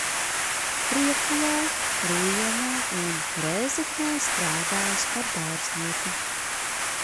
Priekulē, Rūjienā un Rēzeknē strādājis par dārznieku.